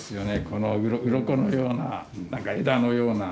このウロコのような枝のような。